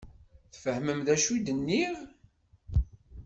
Tfehmem d acu i d-nniɣ?